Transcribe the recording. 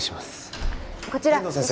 こちら三島先生